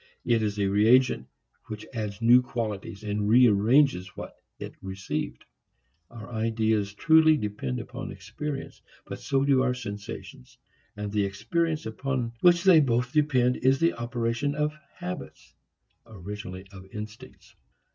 It is a reagent which adds new qualities and rearranges what is received. Our ideas truly depend upon experience, but so do our sensations. And the experience upon which they both depend is the operation of habits originally of instincts.